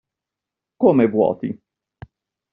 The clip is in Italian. Come vuoti?